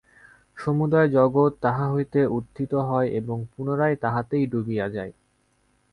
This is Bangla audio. সমুদয় জগৎ তাঁহা হইতে উত্থিত হয় এবং পুনরায় তাঁহাতেই ডুবিয়া যায়।